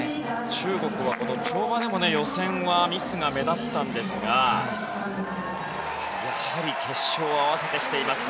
中国は跳馬でも予選はミスが目立ったんですがやはり決勝は合わせてきています。